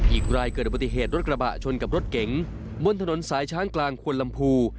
อีกรายเกิดอุบัติเหตุรถกระบะชนกับรถเก๋งบนถนนสายช้างกลางควนลำพู